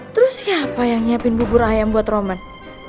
terus siapa yang nyiapin bubur ayam buat roman